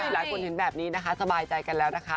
หลายคนเห็นแบบนี้นะคะสบายใจกันแล้วนะคะ